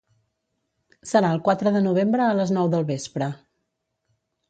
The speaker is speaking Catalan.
Serà el quatre de novembre a les nou del vespre.